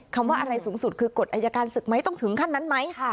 ว่าอะไรสูงสุดคือกฎอายการศึกไหมต้องถึงขั้นนั้นไหมค่ะ